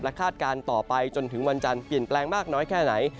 คาดการณ์ต่อไปจนถึงวันจันทร์เปลี่ยนแปลงมากน้อยแค่ไหน